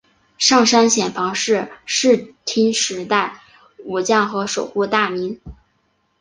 上杉显房是室町时代武将和守护大名。